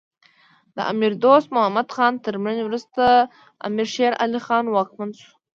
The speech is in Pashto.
د امیر دوست محمد خان تر مړینې وروسته امیر شیر علی خان واکمن شو.